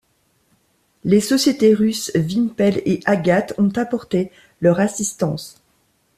Les sociétés russes Vympel et Agat ont apporté leur assistance.